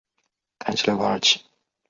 坎西莱瓦尔齐。